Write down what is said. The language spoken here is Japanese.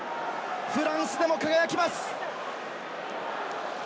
フランスでも輝きます。